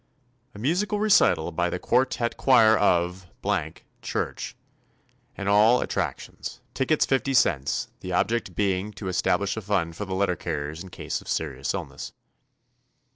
"A musical recital by the quartette 204 TOMMY POSTOFFICE choir of church, and other attrac tions. Tickets fifty cents, the object being to establish a fund for the letter carriers in case of serious illness."